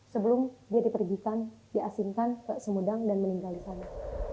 sebelum dia dipergikan diasingkan ke sumedang dan meninggal di sana